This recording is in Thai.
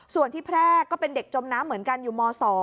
ส่วนที่แพร่ก็เป็นเด็กจมน้ำเหมือนกันอยู่ม๒